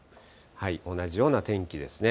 同じような天気ですね。